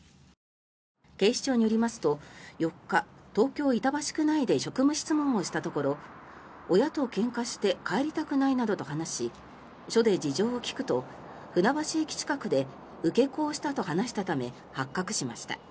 警視庁によりますと４日東京・板橋区内で職務質問をしたところ親とけんかして帰りたくないなどと話し署で事情を聴くと船橋駅近くで受け子をしたと話したため発覚しました。